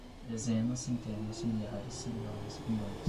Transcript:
dezenas, centenas, milhares, milhões, bilhões.